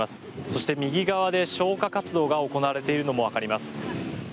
そして右側で消火活動が行われているのもわかります。